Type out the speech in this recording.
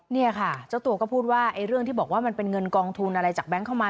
เนี่ยค่ะเจ้าตัวก็พูดว่าเรื่องที่บอกว่ามันเป็นเงินกองทุนอะไรจากแก๊งเข้ามา